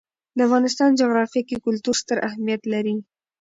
د افغانستان جغرافیه کې کلتور ستر اهمیت لري.